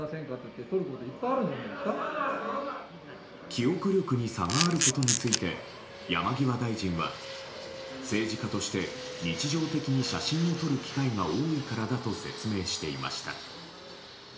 記憶力に差があることについて山際大臣は政治家として日常的に写真を撮る機会が多いからだと説明していました。